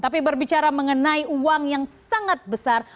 tapi berbicara mengenai uang yang sangat besar